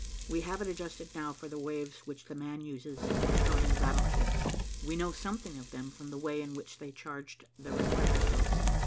We have it adjusted now for the waves which 'the man' uses in destroying battleships. We know something of them from the way in which they charged the reflectoscopes.